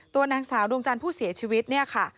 ตัวนางสาวดวงจันทร์ผู้เสียชีวิตเนี่ยค่ะ